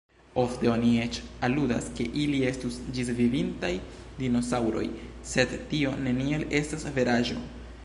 Ofte oni eĉ aludas ke ili estus ĝisvivintaj dinosaŭroj, sed tio neniel estas veraĵo.